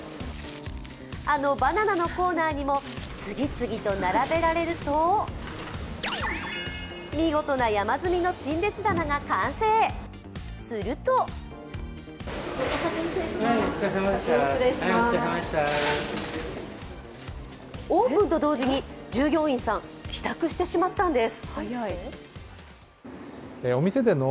あのバナナのコーナーにも、次々と並べられると見事な山積みの陳列棚が完成、するとオープンと同時に従業員さん、帰宅してしまったんです。